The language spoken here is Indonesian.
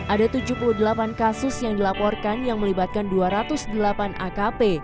ada tujuh puluh delapan kasus yang dilaporkan yang melibatkan dua ratus delapan akp